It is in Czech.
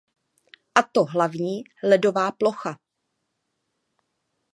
A to hlavní ledová plocha.